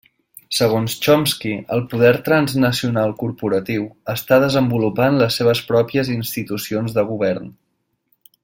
Segons Chomsky, el poder transnacional corporatiu està desenvolupant les seves pròpies institucions de govern.